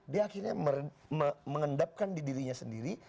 dia akhirnya mengendapkan di dirinya sendiri